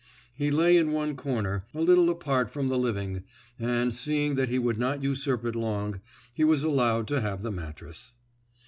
He lay in one corner, a little apart from the living and, seeing that he would not usurp it long, he was allowed to have the mattress.